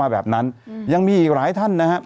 แบบนั้นยังมีอีกหลายท่านนะครับ